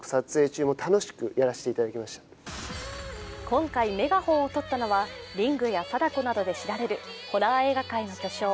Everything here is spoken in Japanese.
今回、メガホンを取ったのは「リング」や「貞子」などで知られるホラー映画界の巨匠